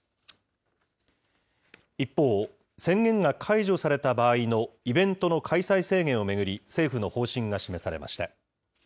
一方、宣言が解除された場合のイベントの開催制限を巡り、政府の方針が示されました。